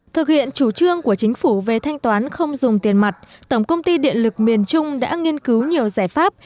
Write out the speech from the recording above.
thực hiện chủ trương của chính phủ về thanh toán không dùng tiền mặt tổng công ty điện lực miền trung đã nghiên cứu nhiều giải pháp